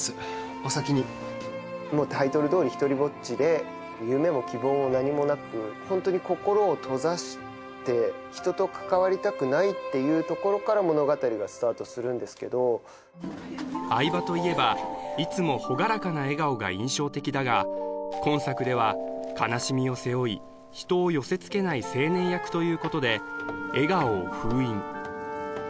お先にもうタイトルどおりひとりぼっちでっていうところから物語がスタートするんですけど相葉といえばいつも朗らかな笑顔が印象的だが今作では悲しみを背負い人を寄せつけない青年役ということで笑顔を封印